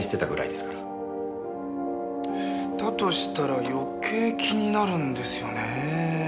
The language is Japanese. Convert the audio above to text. だとしたら余計気になるんですよね。